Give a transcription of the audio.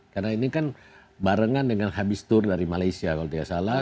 karena ini kan barengan dengan habistur dari malaysia kalau tidak salah